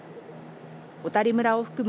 小谷村を含む